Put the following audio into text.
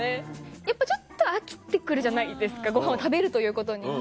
やっぱちょっと飽きて来るじゃないですかごはんを食べるということに。